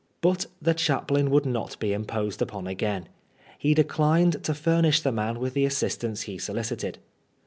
But the chaplain would not be imposed upon again. He declined to furnish the man with the assistance he solicited.